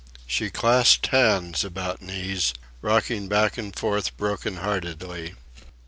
She clasped hands about knees, rocking back and forth broken heartedly.